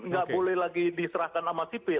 nggak boleh lagi diserahkan sama sipil